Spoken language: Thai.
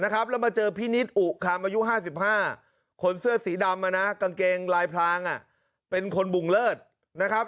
คนเสื้อสีดำอ่ะน่ะกางเกงลายพลางอ่ะเป็นคนบุ่งเลิศนะครับ